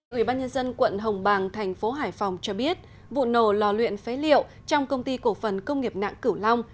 người ban nhân dân quận hồng bàng thành phố hải phòng cho biết vụ nổ lò luyện phé liệu trong công ty cổ phần công nghiệp nạn cửu long